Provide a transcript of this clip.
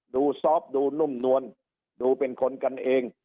ซอฟต์ดูนุ่มนวลดูเป็นคนกันเอง